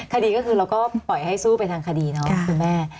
คดีก็คือเราก็ปล่อยให้สู้ไปทางคดีเนาะคุณแม่